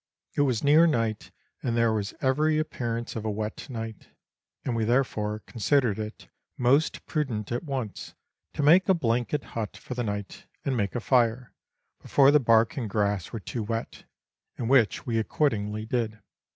It was near night, and there was every appearance of a wet night, and we therefore con sidered it most prudent at once to make a blanket hut for the night, and make a fire, before the bark and grass were too wet, and which we accordingly did.